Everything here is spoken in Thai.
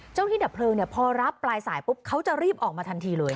เจ้าหนี้ดับเพลิงพอรับปลายสายปุ๊บเขาจะรีบออกมาทันทีเลย